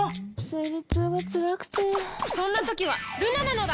生理痛がつらくてそんな時はルナなのだ！